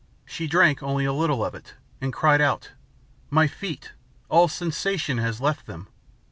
She drank only a little of it, and cried out: "'My feet! All sensation has left them.'